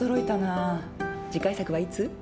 次回作はいつ？